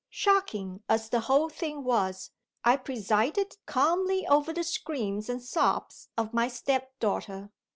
Shocking as the whole thing was, I presided calmly over the screams and sobs of my step daughter.